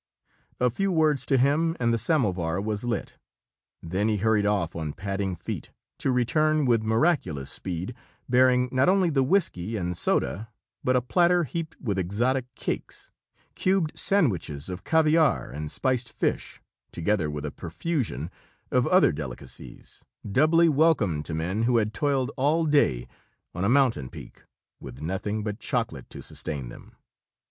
A few words to him and the samovar was lit; then he hurried off on padding feet, to return with miraculous speed, bearing not only the whiskey and soda but a platter heaped with exotic cakes, cubed sandwiches of caviar and spiced fish, together with a profusion of other delicacies doubly welcome to men who had toiled all day on a mountain peak, with nothing but chocolate to sustain them.